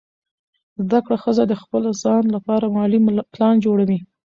زده کړه ښځه د خپل ځان لپاره مالي پلان جوړوي.